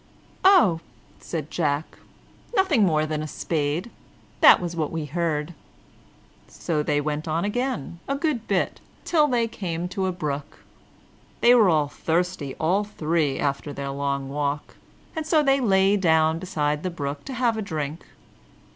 "Oh," said Jack, "nothing more than a spade; that was what we heard." So they went on again a good bit, till they came to a brook. They were thirsty, all three, after their long walk, and so they lay down beside the brook to have a drink.